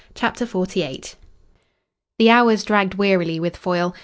CHAPTER XLVIII The hours dragged wearily with Foyle.